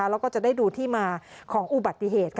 แล้วก็จะได้ดูที่มาของอุบัติเหตุ